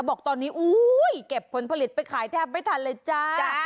บอกตอนนี้อุ้ยเก็บผลผลิตไปขายแทบไม่ทันเลยจ้า